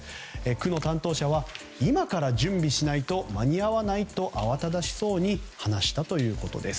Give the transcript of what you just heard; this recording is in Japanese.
区の担当者は今から準備しないと間に合わないと慌ただしそうに話したということです。